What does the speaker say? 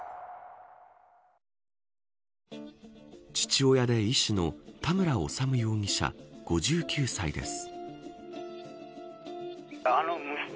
父親で医師の田村修容疑者５９歳です。